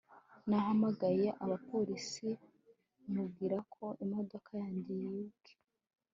nahamagaye abapolisi mubwira ko imodoka yanjye yibwe